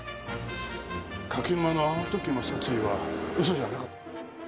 柿沼のあの時の殺意は嘘じゃなかった。